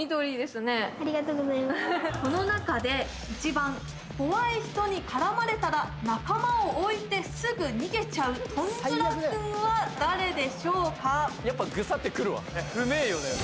この中で１番怖い人にからまれたら仲間を置いてすぐ逃げちゃうトンズラくんは誰でしょうか最悪だよ・